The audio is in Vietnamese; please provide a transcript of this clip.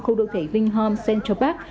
khu đô thị vinh horm central park